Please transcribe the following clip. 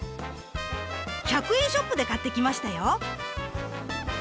１００円ショップで買ってきましたよ。